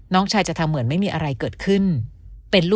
น้องชายจะทำเหมือนไม่มีอะไรเกิดขึ้น